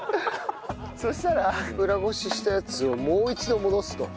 そしたら裏漉ししたやつをもう１度戻すと。